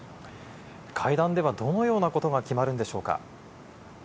会談ではどのようなことが決まるんでしょうか？